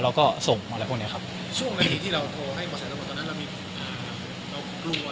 เราก็ส่งอะไรพวกเนี้ยครับช่วงนาทีที่เราโทรให้มาสรรค์ทั้งหมดตอนนั้น